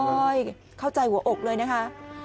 เข้าใจหัวอกเลยนะคะ